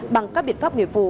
bằng các biện pháp nghiệp vụ